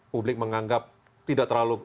publik menganggap tidak terlalu